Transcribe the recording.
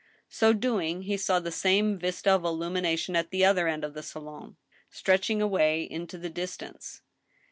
So doing, he saw the same vista of illumination at the other end of the salan^ stretching away into the distance.